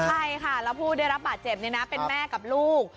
ใช่ค่ะแล้วผู้ได้รับบาดเจ็บเป็นแม่กับลูก